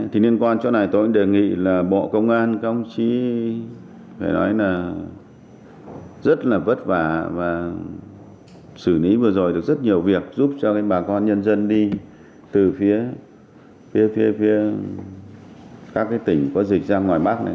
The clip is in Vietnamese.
phó thủ tướng giao các bà con nhân dân đi từ phía các tỉnh có dịch ra ngoài bắc này